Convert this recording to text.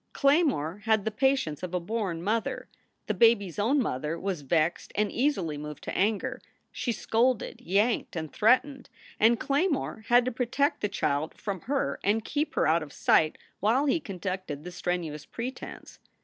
Claymore had the patience of a born mother. The baby s own mother was vexed and easily moved to anger. She scolded, yanked, and threatened, and Claymore had to protect the child from her and keep her out of sight while he conducted the strenuous pretense.